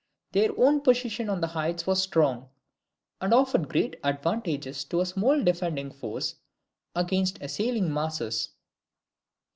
Their own position on the heights was strong, and offered great advantages to a small defending force against assailing masses.